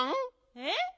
えっ？